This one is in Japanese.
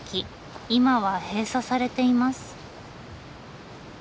今は閉鎖されています。